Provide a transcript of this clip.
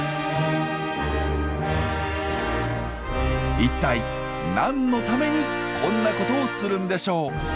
一体何のためにこんなことをするんでしょう？